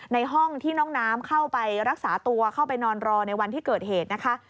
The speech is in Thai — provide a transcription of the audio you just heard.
ในห้องที่น้องน้ำเข้าไปรักษาตัวเข้าไปนอนรอในวันที่เกิดเหตุนะคะ